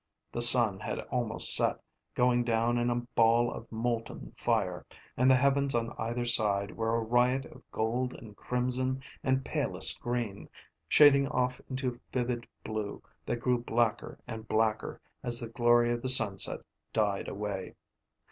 The sun had almost set, going down in a ball of molten fire, and the heavens on either side were a riot of gold and crimson and palest green, shading off into vivid blue that grew blacker and blacker as the glory of the sunset died away.